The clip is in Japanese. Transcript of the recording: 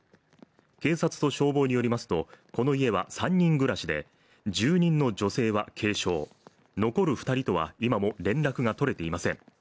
警察と消防によりますと、この家は３人暮らしで、住人の女性は軽傷、残る２人とは今も連絡が取れていません。